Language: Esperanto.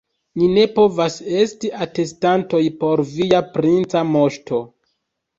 Ni ne povas esti atestantoj por via princa moŝto.